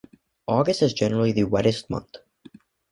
August is generally the wettest month.